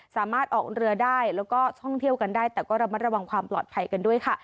สามารถออกเรือได้แล้วก็ท่องเที่ยวกันได้แต่ก็ระมัดระวังความปลอดภัยกันด้วยค่ะ